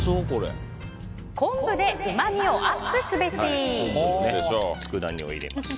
昆布でうま味をアップすべし。